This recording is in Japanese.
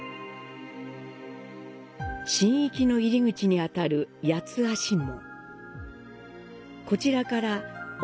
神域の入口にあたる「八足門」。